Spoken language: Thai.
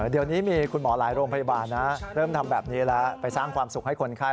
เดี๋ยวนี้มีคุณหมอหลายโรงพยาบาลนะเริ่มทำแบบนี้แล้วไปสร้างความสุขให้คนไข้